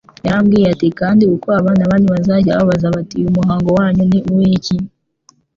Yarababwiye ati : «Kandi uko abana banyu bazajya babaza bati: uyu muhango wanyu ni uw'iki?